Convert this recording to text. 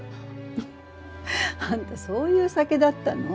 フッあんたそういう酒だったの？